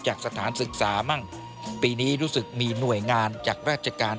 สถานศึกษามั่งปีนี้รู้สึกมีหน่วยงานจากราชการ